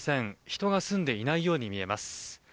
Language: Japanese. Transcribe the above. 人が住んでいないように見えます。